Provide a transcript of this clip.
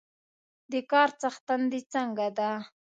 د کار څښتن د څنګه ده؟